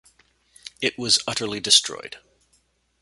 It was utterly destroyed.